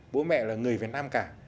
bố mẹ là người việt nam cả